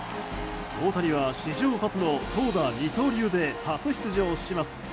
大谷は史上初の投打二刀流で初出場します。